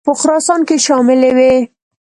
په خراسان کې شاملي وې.